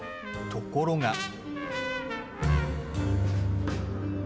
ところが。